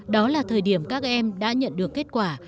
đó là thời điểm các em đã nhận được kết quả